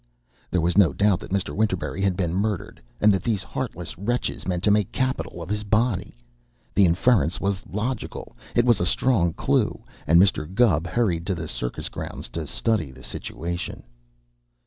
There was no doubt that Mr. Winterberry had been murdered, and that these heartless wretches meant to make capital of his body. The inference was logical. It was a strong clue, and Mr. Gubb hurried to the circus grounds to study the situation.